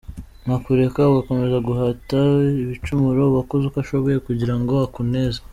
Nkakureka ugakomeza Guhata ibicumuro Uwakoze uko ashoboye Kugira ngo akuneze.